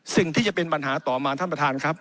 สิ่งที่จะเป็นปัญหาต่อมาท่านประธานครับ